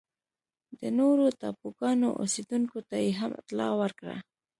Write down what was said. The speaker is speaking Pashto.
د نورو ټاپوګانو اوسېدونکو ته یې هم اطلاع ورکړه.